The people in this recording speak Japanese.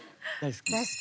大好き？